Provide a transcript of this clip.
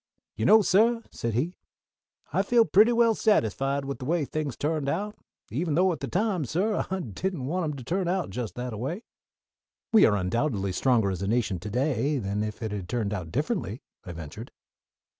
"You know, suh," said he, "I feel pretty well satisfied with the way things turned out, even though at the time, suh, I didn't want 'em to turn out just that a way." "We are undoubtedly stronger as a nation to day than if it had turned out differently," I ventured.